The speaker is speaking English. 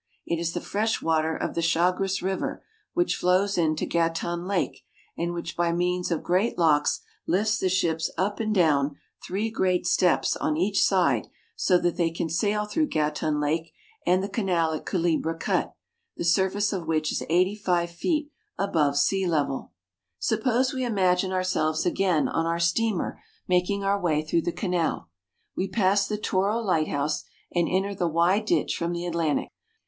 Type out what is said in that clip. It is the fresh water of the Chagres river which flows into Gatun (ga toon') Lake and which by means of great locks lifts the ships up and down three great steps on each side so that they can sail through Gatun Lake and the canal at Culebra Cut, the surface of which is eighty five feet above sea level. Toro Lighthouse. ISTHMUS OF PANAMA 23 Suppose we imagine ourselves again on our steamer making our way through the canal. We pass the Tore Lighthouse and enter the wide ditch from the Atlantic.